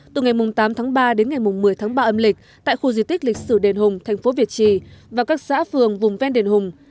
từ ngày tám tháng ba đến ngày một mươi tháng ba âm lịch tại khu di tích lịch sử đền hùng thành phố việt trì và các xã phường vùng ven đền hùng